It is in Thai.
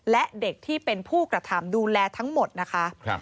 และเด็กที่เป็นผู้กระทำดูแลทั้งหมดนะคะ